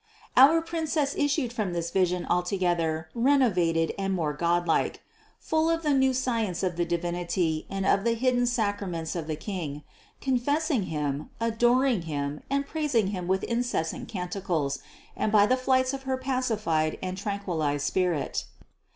738. Our Princess issued from this vision altogether renovated and made godlike; full of the new science of the Divinity and of the hidden sacraments of the King, confessing Him, adoring Him, and praising Him with incessant canticles and by the flights of her pacified and tranquilized spirit.